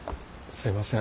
すいません。